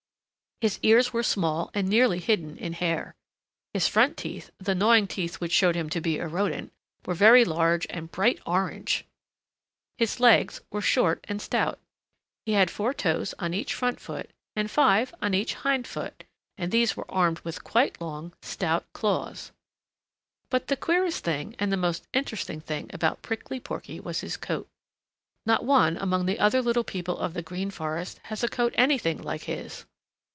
His ears were small and nearly hidden in hair. His front teeth, the gnawing teeth which showed him to be a Rodent, were very large and bright orange. His legs were short and stout. He had four toes on each front foot and five on each hind foot, and these were armed with quite long, stout claws. But the queerest thing and the most interesting thing about Prickly Porky was his coat. Not one among the other little people of the Green Forest has a coat anything like his.